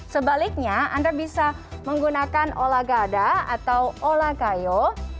sebaliknya anda bisa menggunakan olagada atau olakayo